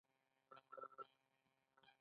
ګازرې د سترګو لپاره ښې دي